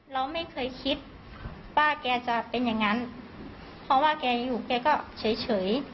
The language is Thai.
เราไม่เคยคิดว่าแกจะเป็นอย่างนั้นเพราะว่าแกอยู่แกก็เฉย